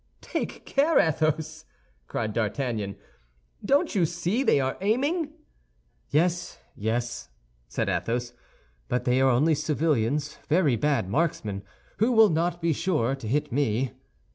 "Take care, Athos!" cried D'Artagnan; "don't you see they are aiming?" "Yes, yes," said Athos; "but they are only civilians—very bad marksmen, who will be sure not to hit me."